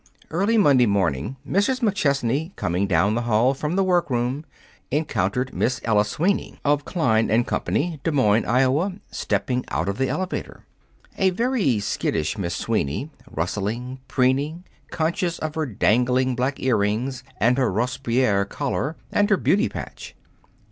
Early Monday morning, Mrs. McChesney, coming down the hall from the workroom, encountered Miss Ella Sweeney, of Klein & Company, Des Moines, Iowa, stepping out of the elevator. A very skittish Miss Sweeney, rustling, preening, conscious of her dangling black earrings and her Robespierre collar and her beauty patch.